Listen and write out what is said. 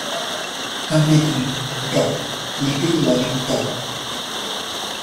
Come with me, Dot — little loving Dot.